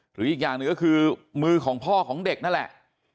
หรืออีกอย่างหนึ่งก็คือมือของพ่อของเด็กนั่นแหละ